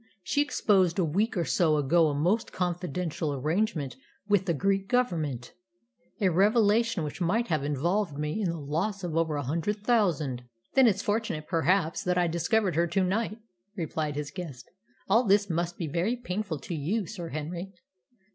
She exposed a week or so ago a most confidential arrangement with the Greek Government, a revelation which might have involved me in the loss of over a hundred thousand." "Then it's fortunate, perhaps, that I discovered her to night," replied his guest. "All this must be very painful to you, Sir Henry."